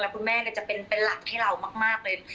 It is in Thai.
แล้วคุณแม่ก็จะเป็นเป็นหลักให้เรามากเลย